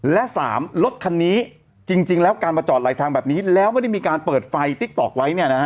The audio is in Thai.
และ๓รถคันนี้จริงแล้วการมาจอดไหลทางแบบนี้แล้วไม่ได้มีการเปิดไฟติ๊กต๊อกไว้เนี่ยนะฮะ